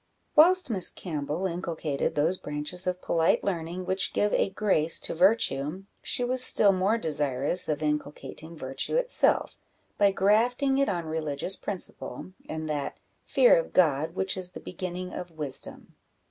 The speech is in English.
Whilst Miss Campbell inculcated those branches of polite learning which give a grace to virtue, she was still more desirous of inculcating virtue itself, by grafting it on religious principle, and that "fear of God, which is the beginning of wisdom."